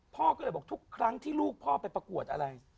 พ่อก็เลยบอกทุกครั้งที่ลูกพ่อไปประกวดอะไร